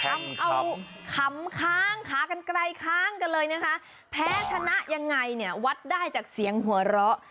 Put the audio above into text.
ทำเอาขำค้างขากันไกลค้างกันเลยนะคะแพ้ชนะยังไงเนี่ยวัดได้จากเสียงหัวเราะ